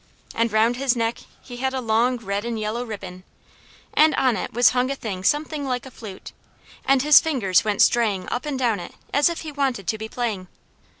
and round his neck he had a long red and yellow ribbon, and on it was hung a thing something like a flute, and his fingers went straying up and down it as if he wanted to be playing.